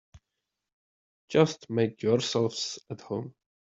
Just make yourselves at home.